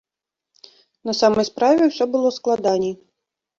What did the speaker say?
На самай справе ўсё было складаней.